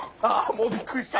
もうびっくりした。